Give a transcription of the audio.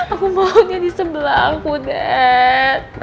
aku maunya di sebelah aku dad